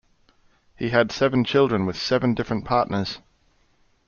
He had seven children with seven different partners.